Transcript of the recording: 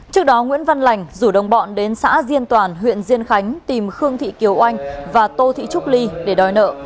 trước đó nguyễn văn lành rủ đồng bọn đến xã diên toàn huyện diên khánh tìm khương thị kiều oanh và tô thị trúc ly để đòi nợ